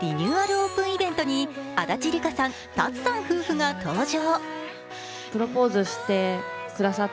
オープンイベントに足立梨花さん、ＴＡＴＳＵさん夫婦が登場。